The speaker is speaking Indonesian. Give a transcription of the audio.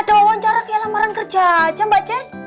ada wawancara kayak lamaran kerja aja mbak ces